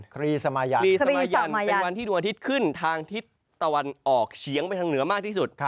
ครีสมายันครีสมายันเป็นวันที่ดวงอาทิตย์ขึ้นทางทิศตะวันออกเฉียงไปทางเหนือมากที่สุด